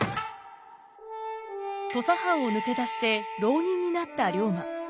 土佐藩を抜け出して浪人になった龍馬。